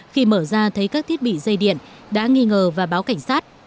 khi mở ra thấy các thiết bị dây điện đã nghi ngờ và báo cảnh sát